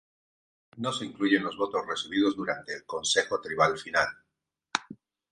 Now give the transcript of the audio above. No se incluyen los votos recibidos durante el consejo tribal final.